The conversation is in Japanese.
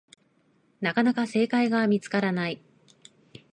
なかなか正解が見つからない